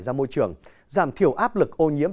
ra môi trường giảm thiểu áp lực ô nhiễm